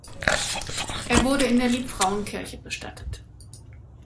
Er wurde in der Liebfrauenkirche bestattet.